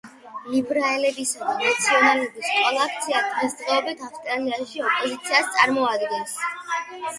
ლიბერალებისა და ნაციონალების კოალიცია დღესდღეობით ავსტრალიაში ოპოზიციას წარმოადგენს.